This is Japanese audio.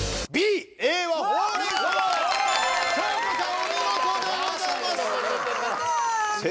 お見事でございます